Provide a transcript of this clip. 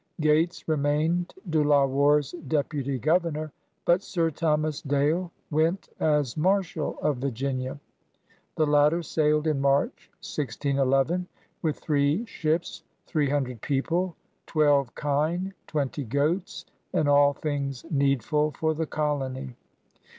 Gates remained De La Warr's deputy governor, but Sir Thomas Dale went as Marshal of Virginia. The latter sailed in March, 1611, with '"three ships, three himdred people, twelve kine, twenty goats, and all things needful for the colony.''